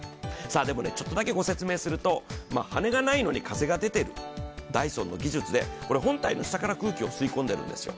でも、ちょっとだけご説明すると羽根がないのに風が出ている、ダイソンの技術で本体の下から空気を吸い込んでるんですよ。